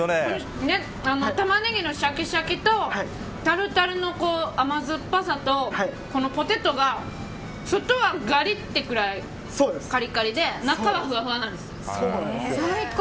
タマネギのシャキシャキとタルタルの甘酸っぱさとこのポテトが外はガリってぐらいカリカリで中はふわふわなんです。